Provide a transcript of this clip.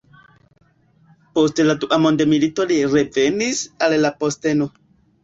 Post la Dua Mondmilito li revenis al la posteno.